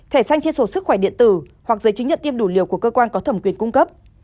thẻ xanh trên sổ sức khỏe điện tử hoặc giấy chứng nhận tiêm đủ liều của cơ quan có thẩm quyền cung cấp